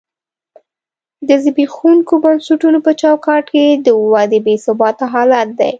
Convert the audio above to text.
د زبېښونکو بنسټونو په چوکاټ کې د ودې بې ثباته حالت دی.